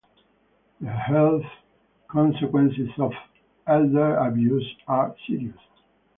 The health consequences of elder abuse are serious.